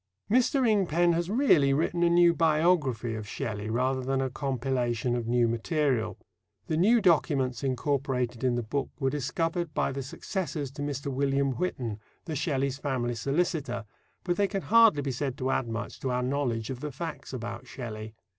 Mr. Ingpen has really written a new biography of Shelley rather than a compilation of new material. The new documents incorporated in the book were discovered by the successors to Mr. William Whitton, the Shelleys' family solicitor, but they can hardly be said to add much to our knowledge of the facts about Shelley.